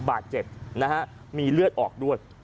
บาดเจ็บนะฮะมีเลือดออกด้วย